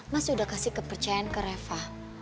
mas sudah kasih kepercayaan ke reva